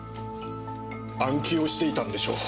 暗記をしていたんでしょう。